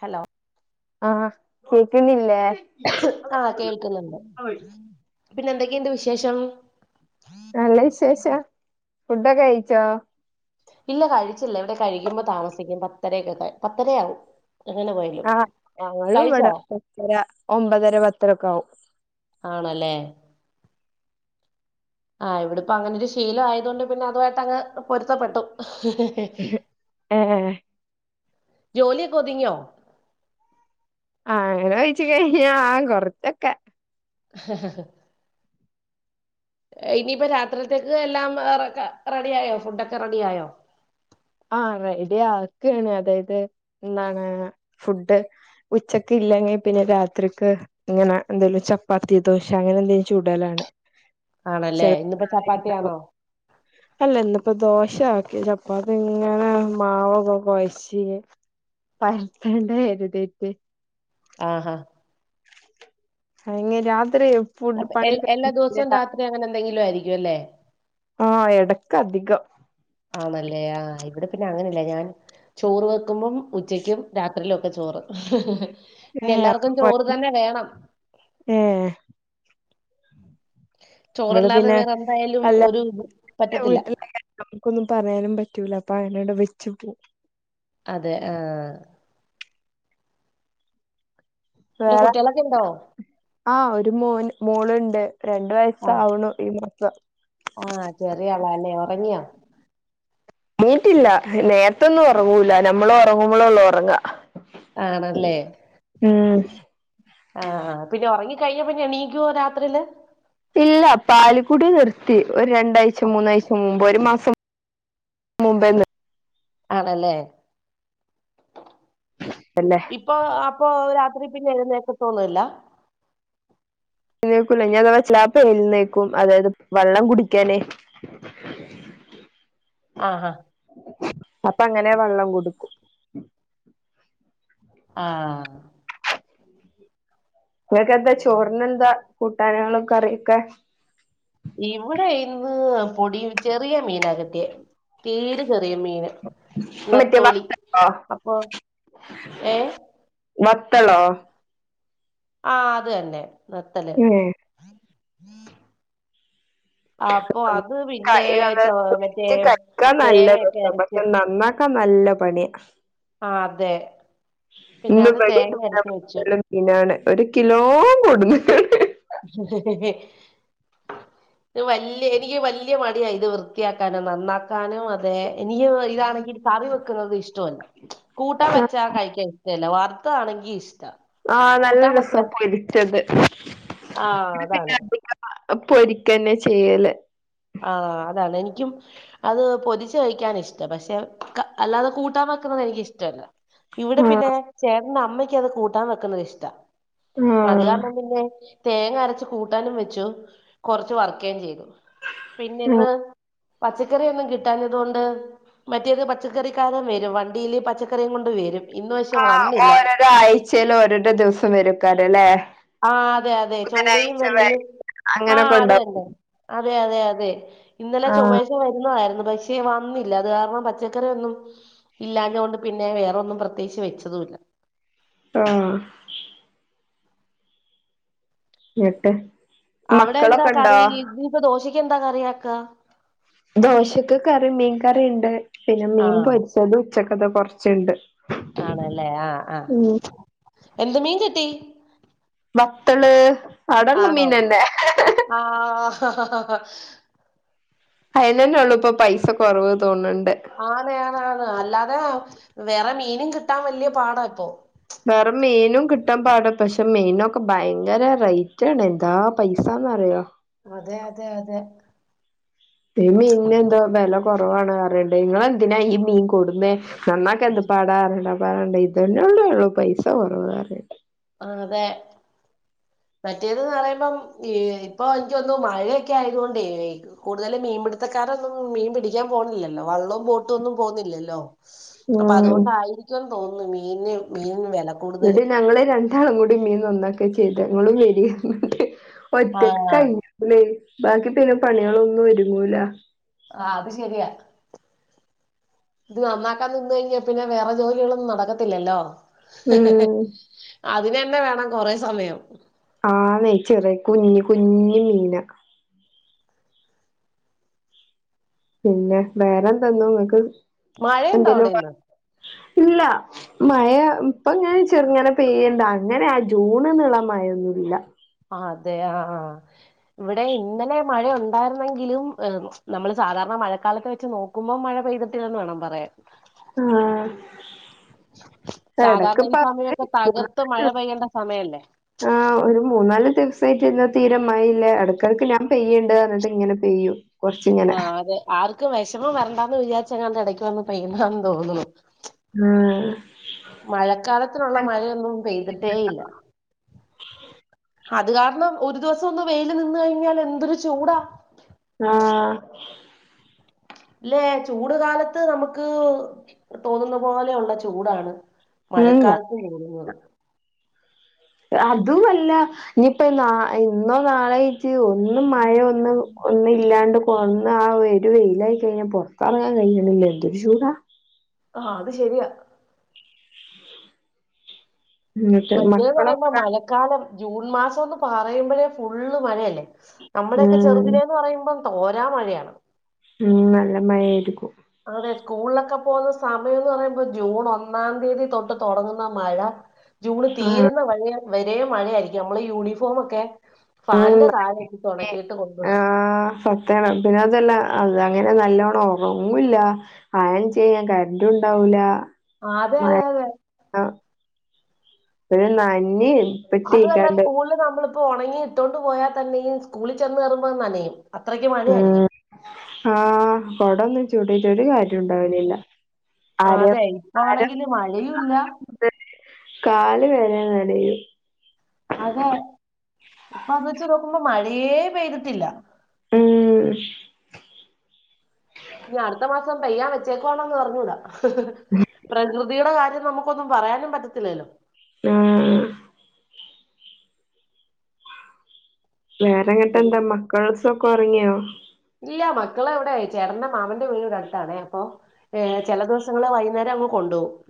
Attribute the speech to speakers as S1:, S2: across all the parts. S1: Hello
S2: ആഹ് കേക്ക്‌ണില്ലേ?
S1: ആഹ് കേൾക്കുന്നുണ്ട് പിന്നെ എന്തൊക്കെയുണ്ട് വിശേഷം?
S2: നല്ല വിശേഷം ഫുഡൊക്കെ കയിച്ചോ?
S1: ഇല്ല കഴിച്ചില്ല ഇവിടെ കഴിക്കുമ്പോ താമസിക്കും പത്തരക്കെ പത്തരയാകും അങ്ങനെ പോയി
S2: ആഹ് ഞങ്ങളും ഇവടെ പത്തര ഒമ്പതര പത്തരൊക്കെ ആവും
S1: ആണല്ലേ ആഹ് ഇവിടെപ്പോ അങ്ങനൊരു ശീലം ആയതോണ്ട് പിന്നെ അതോയിട്ട് അങ്ങ് പൊര്ത്തപ്പെട്ടു
S2: ഏഹ്
S1: ജോലിയൊക്കെ ഒതുങ്യോ?
S2: ആഹ് അങ്ങനെ കഴിച്ചു കഴിഞ്ഞ ആഹ് കൊർച്ചൊക്കെ
S1: ആ [unintelligible] ഇനിയിപ്പ രാത്രിത്തേക്ക് എല്ലാം റെഡി ആയോ ഫുഡൊക്കെ റെഡിയായോ?
S2: ആഹ് റെഡി ആക്കാണ് അതായത് എന്താണ് ഫുഡ് ഉച്ചക്ക് ഇല്ലെങ്കി പിന്നെ രാത്രിക്ക് ഇങ്ങനെ എന്തേലും ചപ്പാത്തി ദോശ അങ്ങനെ എന്തെങ്കിലും ചുടലാണ്
S1: ആണല്ലേ ഇന്നിപ്പോ
S2: ചില
S1: ചപ്പാത്തിയാണോ
S2: അല്ല ഇന്നിപ്പോ ദോശ ആക്കി ചപ്പാത്തിങ്ങനെ മാവോക്കെ കൊഴച്ച് പര്ത്തണ്ടേ കര്തീറ്റ്
S1: ആഹാ
S2: ആഹ് എങ്ങെ രാത്രിയും
S1: അപ്പൊ എൽ എല്ലാ ദിവസവും രാത്രി അങ്ങനെ എന്തെങ്കിലും ആയിരിക്കും അല്ലെ
S2: ആഹ് എടക്ക് അധികം
S1: ആണല്ലേ ആഹ് ഇവിടെ പിന്നെ അങ്ങനെല്ല ഞാൻ. ചോറ് വെക്കുമ്പം ഉച്ചക്കും രാത്രിയിലൊക്കെ ചോറ്. പിന്നെ
S2: ഏഹ്
S1: എല്ലാവർക്കും ചോറ്
S2: അപ്പൊപറ്റും
S1: തന്നെ വേണം
S2: ഏഹ്. ഇവിടെ
S1: ചോറല്ലാതെ
S2: പിന്നെ
S1: വേറെ എന്തായാലും
S2: അല്ല
S1: ഒരു ഇത് പറ്റത്തില്ല
S2: വീട്ടില നമുക്കൊന്നും പറയാനും പറ്റൂല അപ്പൊ അങ്ങനോവിടെ വെച്ചു പോ
S1: അതെ ആഹ്. ന്ന് കുട്ടിയളൊക്കെണ്ടോ.
S2: ആഹ് ഒരു മോന് മോളുണ്ട് രണ്ടു വയസ്സാവുണു ഈ മാസം.
S1: ആഹ് ചെറിയാളല്ലെ ഒറങ്ങിയോ?
S2: മൂട്ടില്ല നേര്ത്തൊന്നും ഒറങ്ങൂല്ലാ നമ്മളൊർങ്ങുമ്പളൊള്ളു ഒർങ്ങാ
S1: ആണല്ലേ. ആഹ് പിന്നെ ഒർങ്ങിക്കഴിഞ്ഞാ പിന്നെ എണീക്കുവോ രാത്രില്.
S2: ഇല്ല പാൽകുടി നിർത്തി ഒരു രണ്ടാഴ്ച മൂന്നാഴ്ച്ച മുമ്പ് ഒരു മാസം. മുമ്പേ
S1: ആണല്ലേ.
S2: പിന്നെ
S1: ഇപ്പൊ അപ്പൊ രാത്രി പിന്നെ എഴുന്നേക്കത്തൊന്നുല്ല.
S2: എയ്നേക്കൂല അതവാ ച്ലാപ്പൊ എഴുന്നേക്കും അതായത് വെള്ളം കുടിക്കാനേ.
S1: ആഹ് ഹാ.
S2: അപ്പങ്ങനെ വെള്ളം കൊടുക്കും.
S1: ആഹ്.
S2: ങ്ങക്കെന്താ ചോറിന് എന്താ കൂട്ടാ നാളും കറിയൊക്കെ.
S1: ഇവിടെ ഇന്ന് പൊടി ചെറിയ മീനാക്കിട്ടിയേ തീരെചെറിയ മീന്
S2: മറ്റേ
S1: നത്തോലി
S2: ബത്തളോ
S1: അപ്പൊ ഏ
S2: മത്തളോ.
S1: ആഹ് അത് തന്നെ ബത്തല്.
S2: ഉം
S1: അപ്പൊ അത്
S2: കൈ
S1: പിന്നെ
S2: അത്
S1: തോ മറ്റേ
S2: പൊരിച്ച്
S1: തേങ്ങയൊക്കെ അരച്ച്.
S2: ക്ക നല്ല പണിയാ
S1: ആഹ് അതെ. പിന്നെ
S2: ഇന്ന്
S1: അത്
S2: ഇവടിം
S1: തേങ്ങ അരച്ച് വെച്ചു
S2: [unintelligible] മീനാണ് ഒരു കിലോ കൊടുന്ന്ക്ക്ണ്.
S1: ക്ക് വല്ല്യ എനിക്ക് വല്ല്യ മടിയാണ് ഇത് വൃത്തിയാക്കാനും നന്നാക്കാനും. അതെ എനിക്ക് ഇതാണെങ്കിൽ കറി വെക്കുന്നത് ഇഷ്ടമല്ല കൂട്ടാൻ വെച്ചാ കഴിക്കാ. ഇല്ലല്ല വാർത്തതാണെങ്കി ഇഷ്ടാ.
S2: ആഹ് നല്ല
S1: കൂട്ടാൻ
S2: രസാ പൊരിച്ചത്.
S1: ആഹ് അതാണ്.
S2: അഹ് പൊരിക്കന്നെ ചെയ്യല്.
S1: ആഹ് അതാണ് എനിക്കും. അത് പൊരിച്ച് കഴിക്കാൻ ഇഷ്ടാ പക്ഷേ ക അല്ലാതെ കൂട്ടാൻ വെക്കുന്നത് എനിക്കിഷ്ടല്ല. ഇവിടെ
S2: ആ
S1: പിന്നെ ചേട്ടന്റെ അമ്മയ്ക്ക് അത് കൂട്ടാൻ വെക്കുന്നത് ഇഷ്ടാ.
S2: ആ
S1: അത് കാരണം പിന്നെ തേങ്ങ അരച്ച് കൂട്ടാനും വെച്ചു കൊറച്ച് വർക്കുകയും ചെയ്തു. പിന്നെ ഇന്ന് പച്ചക്കറിയൊന്നും കിട്ടാത്തതുകൊണ്ട്. മറ്റേത് പച്ചക്കറിക്കാരന് വരും വണ്ടിയില് പച്ചക്കറിയും കൊണ്ട് വരും. ഇന്ന് പക്ഷെ
S2: ആ
S1: വന്നില്ല
S2: ഓരോരാ ആഴ്ചൽ ഓരോരോ ദിവസം വരക്കാരല്ലേ.
S1: ആഹ് അതെ അതെ ചൊവ്വയും വെള്ളിയും. ആഹ്
S2: അങ്ങനൊക്കെ
S1: അതന്നേ
S2: ഉണ്ടാവും
S1: അതെ അതെ അതെ ഇന്നലെ
S2: ആ
S1: ചൊവ്വാഴ്ച വരുന്നതായിരുന്നു പക്ഷേ. പക്ഷേ വന്നില്ല അത് കാരണം പച്ചക്കറിയൊന്നും ഇല്ലാഞ്ഞ കൊണ്ട് പിന്നെ വേറെൊന്നും പ്രത്യേകിച്ച് വെച്ചതുല്ല.
S2: ആഹ്. എട്ട്.
S1: അവിടെ എന്താ കറി ഇപ്പ ദോഷിക്ക് എന്താ കറിയാക്ക.
S2: ദോശക്ക് കറി മീൻ കറിണ്ട് പിന്നെ മീൻ
S1: ആഹ്
S2: പൊരിച്ചത് ഉച്ചക്കത കൊറേച്ചുണ്ട്.
S1: ആണല്ലേ ആഹ് ആഹ എന്ത് മീൻ കിട്ടി
S2: വത്തള് അടെള്ള മീനന്നെ ഹേ ഹേ
S1: ആഹ ഹ ഹ
S2: അയിനന്നെ ഉള്ളൂ ഇപ്പൊ പൈസ കുറവ് തോന്നുണ്ട്
S1: ആണ് ആണ് ആണ് അല്ലാതെ വേറെ മീനും കിട്ടാൻ വലിയ പാടാ ഇപ്പൊ
S2: വേറെ മീനും കിട്ടാൻ പാട പക്ഷേ മീനൊക്കെ ഭയങ്കര റേറ്റ് ആണ് എന്താ പൈസാന്ന്റിയോ
S1: അതെ അതെ അതെ
S2: ഈ മീനിന് എന്തോ വില കുറവാണ് പറയണ്ട് ഇങ്ങളെന്തിനാ ഈ മീൻ കൊടുന്നേ നന്നാക്ക എന്ത് പാടാ അരട അപ്പോ പറണ്ട് ഇതന്നെ ഉള്ളൂള്ളു പൈസ കുറവുള്ളത്.
S1: ആ അതെ മറ്റേതന്ന് പറയുമ്പം ഇപ്പൊ എനിക്ക് തോന്നുന്നു മഴയൊക്കെ ആയതുകൊണ്ടേക്കും കൂടുതല് മീൻപിടുത്തക്കാരൊന്നും മീൻ പിടിക്കൻ പോണില്ലല്ലോ വള്ളവും ബോട്ടും ഒന്നും പോകുന്നില്ലല്ലോ അപ്പൊ
S2: ഉം
S1: അതുകൊണ്ടായിരിക്കും തോന്നുന്നു മീന്ന് മീനിന് വില
S2: ഇന്നിട്ട ഞങ്ങള് രണ്ടാളും കൂടി മീൻ നന്നാക്കാ ചെയ്തെ ഇങ്ങളും വരിങ്ങട്ട് ഒറ്റക്ക്
S1: ആഹ്
S2: കഴിയൂലെ ബാക്കി പിന്നെ പണികളൊന്നും ഒരുങ്ങൂല
S1: ആ അത് ശരിയാ ഇത് നന്നാക്കാൻ നിന്ന് കഴിഞ്ഞാൽ പിന്നെ വേറെ ജോലികളൊന്നും നടക്കത്തില്ലല്ലോ.
S2: ഉം
S1: അതിനന്നെ വേണം കൊറേ സമയം
S2: ആന്നെ ചെറിയ കുഞ്ഞു കുഞ്ഞി മീനാ പിന്നെ വേറെന്തന്നും നിങ്ങക്ക്
S1: മഴയുണ്ടോ
S2: എന്തേലും
S1: അവിടെ ഇന്ന്
S2: ഇല്ല മഴ ഇപ്പ ഇങ്ങനെ ചെറുങ്ങനെ പെയ്യണ്ട് അങ്ങനെ ആ ജൂൺന്നുള്ള മഴൊന്നുമില്ല
S1: ആ അതെ ആഹ ഇവിടെ ഇന്നലെ മഴയ ഉണ്ടായിരുന്നെങ്കിലും നമ്മള് സാധാരണ മഴക്കാലത്ത് വെച്ച് നോ ക്കുമ്പൊ മഴ പെയ്തിട്ടില്ലന്ന് വേണം പറയാൻ
S2: ആഹ്
S1: സാധാരണ ഈ
S2: എടക്ക്പ്പ
S1: സമയൊക്കെ തകർത്ത് മഴ പെയ്യേണ്ട സമയല്ലേ.
S2: ആഹ് ഒരു മൂന്നാല് ദിവസായിട്ട് ഇന്ന് തീരെ മഴയില്ല എടക്കെടക്ക് ഞാൻ പെയ്യണ്ട് പറഞ്ഞിട്ട് ഇങ്ങനെ പെയ്യു
S1: ആ അതെ ആർക്കും വിഷമം വരണ്ടാന്ന് വിചാരിച്ചങ്ങാണ്ട് ഇടക്ക് വന്ന് പെയ്യുന്നാന്ന് തോന്നുന്നു.
S2: ആഹ്
S1: മഴക്കാലത്തിനുള്ള മഴയൊന്നും പെയ്തിട്ടേ ഇല്ല. അത് കാരണം ഒരു ദിവസം ഒന്ന് വെയിൽ നിന്ന് കഴിഞ്ഞാൽ എന്തൊരു ചൂടാ.
S2: ആഹ്
S1: ഇല്ലെ ചൂട് കാലത്ത് നമുക്ക് തോന്നുന്ന പോലെയുള്ള ചൂടാണ്.
S2: ഉം
S1: മഴക്കാലത്ത് കൂടുന്നത്
S2: അതുവെല്ല ഇനിയിപ്പ ന ഇന്നോ നാളെ ആയി ട്ട് ഒന്നും മഴ ഒന്ന് ഒന്നുല്ല്യാണ്ട് ആ ഒരു വെയിലായി കഴിഞ്ഞാൽ പുറത്തിറങ്ങാൻ കഴിയണില്ല എന്തൊരു ചൂടാ
S1: ആഹ അത് ശരിയാ
S2: എന്നിട്ട്
S1: മറ്റേ പറയുമ്പോ
S2: മക്കളൊക്കെ
S1: മഴ കാലം ജൂൺ മാസംന്ന് പറയുമ്പോഴേ ഫുള്ള് മഴയല്ലേ നമ്മുടൊക്കെ ചെറു
S2: ഉം
S1: [unintelligible] പറയുമ്പം തോരാ മഴയാണ്
S2: ഉം നല്ല മഴയായിരിക്കും
S1: അതെ സ്കൂളിലൊക്കെ പോകുന്ന സമയംന്ന് പറയുമ്പോ ജൂൺ ഒന്നാം തീയതി തൊട്ട് തുടങ്ങുന്ന മഴ ജൂണ്
S2: ആഹ്
S1: തീരുന്ന [unintelligible] വരേ മഴയായിരിക്കും നമ്മള് യൂണിഫോം ഒക്കെ
S2: ഉം
S1: ഫാന്റെ താഴെട്ടിട്ട്
S2: അതെ
S1: ഉണകീട്ട് കൊണ്ടു
S2: ആഹ് പിന്നെ അതെല്ല അത് അങ്ങനെ നല്ലോണം ഉറങ്ങുല്ല അയേൺ ചെയ്യാൻ കറന്റ്‌ ഉണ്ടാവൂല
S1: ആഹ് അതെ അതെ അതെ
S2: ആഹ് പിന്നെ നന്നയും
S1: അതുവെല്ല സ്കൂളില് നമ്മളിപ്പൊ ഉണങ്ങിട്ടോണ്ട് പോയാൽ തന്നെയും സ്കൂളിൽ ചെന്ന് കയറുമ്പോൾ നനയും അത്രയ്ക്ക്
S2: ഉം
S1: മഴയായിരിക്കും
S2: ആഹ് കൊട്ന്ന് ചൂണ്ടിട്ടരു കാര്യം ഉണ്ടാവല്ലില്ല
S1: ആ,
S2: ആര്
S1: അതെ ഇപ്പൊ
S2: ആഹ്
S1: ആണെങ്കിൽ മഴയും ഇല്ല
S2: ആഹ് കാല് വരെ നനയും
S1: അതെ ഇപ്പൊ അത് വെച്ച് നോക്കുമ്പോ മഴയേ പെയ്തിട്ടില്ല
S2: ഉം
S1: ഇനി അടുത്ത മാസം പെയ്യാൻ വെച്ചേക്കുവാണന്ന് പറഞ്ഞൂട പ്രകൃതിയുടെ കാര്യം നമുക്ക് ഇപ്പ ഒന്നു പറയാനും പറ്റത്തില്ലല്ലോ
S2: ആഹ് വേറെങ്ങട്ട എന്താ മക്കൾസ് ഒക്കെ ഉറങ്ങിയോ
S1: ഇല്ല മക്കള എവിടെയ ചേട്ടന്റെ മാമന്റെ വീട് ഇവിടെ അടുത്താണെ അപ്പൊ ഏഹ് ചില ദിവസങ്ങള് വൈകുന്നേരം അങ്ങ് കൊണ്ടുപോകും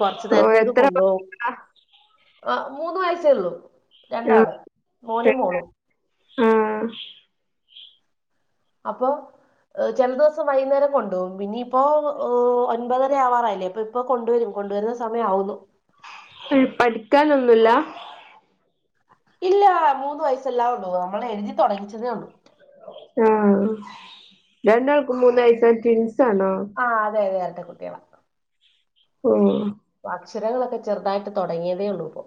S1: കൊറച്ചു
S2: ഓ
S1: നേരത്തേക്ക്
S2: എത്ര
S1: കൊണ്ടുപോകവും
S2: മക്കളാ
S1: ആഹ് മൂന്ന് വയസേ ഉള്ളു
S2: ആഹ്
S1: രണ്ടാള് മോനും മോളും
S2: ആഹ്
S1: അപ്പൊ ചില ദിവസം വൈകുന്നേരം കൊണ്ട് പോകും പിന്ന ഇപ്പോ ഓഹ് ഒൻപതര ആവാറായില്ലേ ഇപ്പൊ ഇപ്പൊ കൊണ്ടുവരും കൊണ്ടുവരുന്ന സമയം ആകുന്നു
S2: പഠിക്കാനൊന്നുമില്ല
S1: ഇല്ല മൂന്ന് വയസ് ആവുള് നമ്മളെ എഴുതി തുടങ്ങിച്ചതേ ഉള്ളൂ
S2: ആഹ് രണ്ടാൾക്ക് മൂന്ന് വയസ് ട്വിൻസ് ആണോ
S1: ആഹ് അതെ അതെ ഇരട്ട കുട്ടികള
S2: ഉം
S1: അക്ഷരങ്ങളൊക്കെ ചെറുതായിട്ട് തുടങ്ങിയതേ ഉള്ളൂ ഇപ്പോ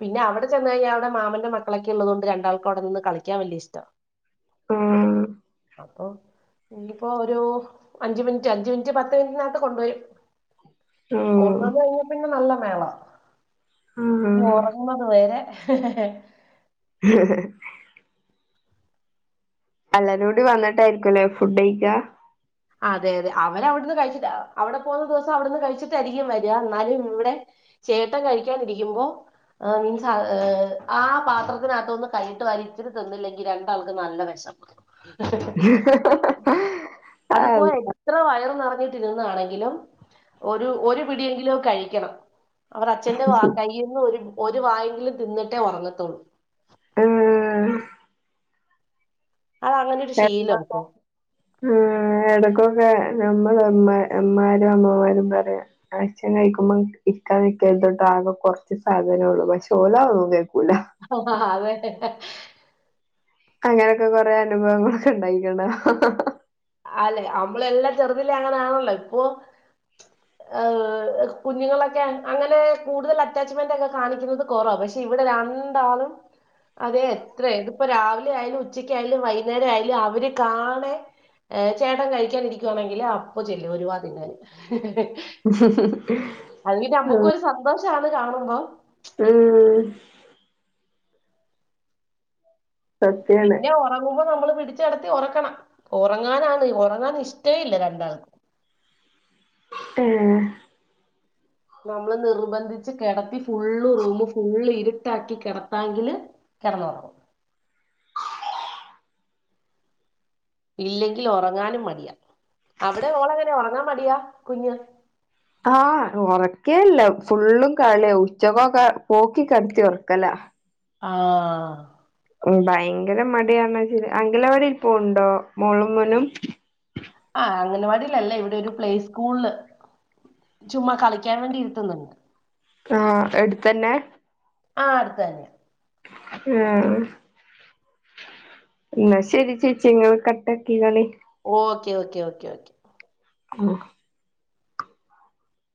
S1: പിന്നെ അവിടെ ചെന്ന് കഴിഞ്ഞാ അവിടെ മാമന്റെ മകൾക്കെ ഉള്ളത് രണ്ടാൾക് അടെ നിന്ന് കളിക്കാൻ വലിയ ഇഷ്ടം
S2: ആഹ്
S1: അപ്പൊ ഇനിയിപ്പോ ഒരു അഞ്ചു മിനിറ്റ് അഞ്ച് മിനിറ്റ് പത്ത് മിനിറ്റിനകത്ത് കൊണ്ടുപോരും
S2: ഓഹ്
S1: കോട്ടട് കഴിഞ്ഞപ്പിന്നെ നല്ല മേള
S2: ഉം
S1: ഇനി ഉറങ്ങതു വരെ
S2: [inaudible] എല്ലാരും കൂടി വന്നിട്ടായിരിക്കും അല്ലേ ഫുഡ് കഴിക്ക
S1: അതെ അതെ അവര് അവിടുന്ന് കഴിച്ചിട്ട അവിടെ പോകുന്ന ദിവസം അവിടുന്ന് കഴിച്ചിട്ടായിരിക്കും വരിക എന്നാലും ഇവിടെ ചേട്ടൻ കഴിക്കാനിരിക്കുമ്പോ [unintelligible] ആഹ് പാത്രത്തിനകത്തൊന്നും കൈയിട്ട് വാരി ഇച്ചിരി തിന്നില്ലെങ്കിൽ രണ്ടാൾക് നല്ലവ [inaudible]
S2: [inaudible]
S1: അത്പോ
S2: അള്ളാ
S1: ഇത്ര വയർ നിറഞ്ഞിട്ടിരുന്നാണെങ്കിലും ഒരു ഒരു പിടിയെങ്കിലും കഴിക്കണം അവർ അച്ഛന്റെ വ കൈയ്യിൽന്ന് ഒരു വായെങ്കിലും തിന്നിട്ടേ ഉറങ്ങത്തൊള്ളൂ
S2: ആഹ്
S1: അത അങ്ങനെ ഒരു ശീലം അപ്പൊ
S2: ആ എടക്കൊക്കെ നമ്മൾ അമ്മാരും അമ്മമാരും പറയാം അച്ചൻ കഴിക്കുമ്പം ഇരിക്കാൻ നിക്കതൊട്ട് ആകെ കുറച്ച് സാധനം ഉള്ളൂ പക്ഷെ ഓല ഒന്നും കേൾക്കൂല
S1: ആവേ ആ ഹ
S2: അങ്ങനൊക്കെ കൊറെേ അനുഭവങ്ങളൊക്കെ ഉണ്ടായിക്കണ അഹ് ഹ
S1: അല്ലെ നമ്മള എല്ലാം ചെറുതില്ല അങ്ങനൊണല്ലോ ഇപ്പൊ ഹ് കുഞ്ഞുങ്ങളൊക്കെ അങ്ങനെ കൂടുതൽ അറ്റാച്ച്മെന്റ്ക്കെ കാണിക്കുന്നത് കുറവ പക്ഷെ ഇവിടെ രണ്ടാളും അതെ എത്ര ഇതിപ്പോ രാവിലെ ആയാലും ഉച്ചക്ക്യാലും വൈകുന്നേരം ആയാലും അവര് കാണേ ഏ ചേട്ടൻ കഴിക്കാനിരിക്കുവാണെങ്കിൽ അപ്പൊ ചെല്ലും ഒരു വാ തിന്നാന് അത് നമ്മുക്കൊരു സന്തോഷണ് കാണുമ്പോ
S2: [unintelligible] സത്യാണ്
S1: പിന്നെഒറങ്ങുമ്പോ നമ്മള് പിടിച്ച് ച്ച് കിടത്തി ഉറക്കണം ഉറങ്ങാനാണ് ഉറങ്ങാൻ ഇഷ്ടേ ഇല്ല രണ്ടാൾക്കും
S2: [unintelligible]
S1: നമ്മള് നിർബന്ധിച്ച് കിടത്തി ഫുള്ള് റൂമ് ഫുള്ള് ഇരുട്ടാക്കി കിടത്താങ്കില് കിടന്നുറങ്ങും ഇല്ലെങ്കിൽ ഒറങ്ങാനുംമടിയാ അവിടെ ളെങ്ങനാ ഒറങ്ങാൻ മടിയാ കുഞ്
S2: ആഹ ഒറക്കേല്ല ഫുള്ളും കളിയ ഉച്ചകൊക്കെ പോക്കി കടുത്തി ഉറക്കല
S1: ആഹ്ഹഹ്ഹ
S2: ഭയങ്കര മടിയന്ന അങ്കിലവടി പോണുണ്ടോ മോളും മോനും
S1: ആഹ് അംഗനവാടിലല്ല ഇവിടെ ഒരുപ്ലേ സ്കൂളില് ചുമ്മാ കളിക്കാൻ വേണ്ടിയിരുത്തുന്നുണ്ട്
S2: ആഹ് എടുത്തന്നെ
S1: ആഹ് അടുത്തുതന്നെ
S2: [unintelligible] എന്നാ ശരിചേച്ചിങ്ങള് കട്ടാക്കിക്കോളി
S1: ഓക്കേ ഓക്കെ ഓക്കെ ഓക്കെ
S2: [unintelligible]